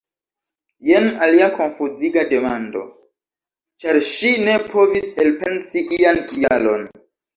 Jen alia konfuziga demando! Ĉar ŝi ne povis elpensi ian kialon.